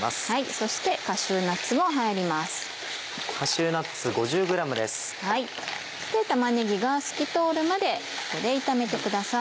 そして玉ねぎが透き通るまでここで炒めてください。